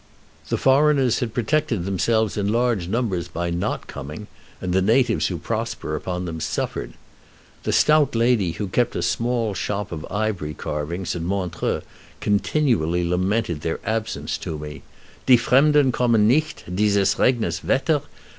The foreigners had protected themselves in large numbers by not coming, and the natives who prosper upon them suffered. The stout lady who kept a small shop of ivory carvings at Montreux continually lamented their absence to me: "Die Fremden kommen nicht, dieses regenes Wetter!